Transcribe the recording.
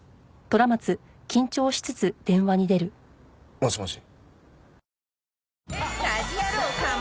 もしもし？